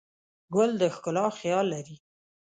ګل د ښکلا خیال لري.